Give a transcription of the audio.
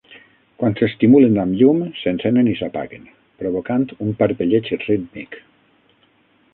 Quan s'estimulen amb llum, s'encenen i s'apaguen, provocant un parpelleig rítmic.